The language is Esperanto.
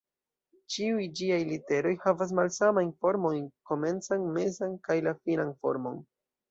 Ĉiuj ĝiaj literoj havas malsamajn formojn, komencan, mezan, kaj la finan formon.